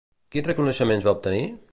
Quins reconeixements va obtenir?